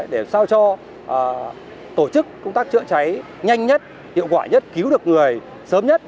để sao cho tổ chức công tác chữa cháy nhanh nhất hiệu quả nhất cứu được người sớm nhất